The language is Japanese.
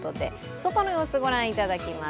外の様子、ご覧いただきます。